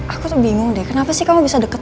aku tuh bingung deh kenapa sih kamu bisa deket